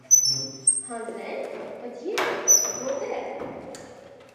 Հանձնել - բայց ե՞րբ, ո՞րտեղ.